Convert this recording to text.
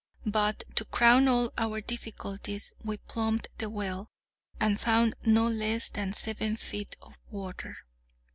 But, to crown all our difficulties, we plummed the well, and found no less than seven feet of water.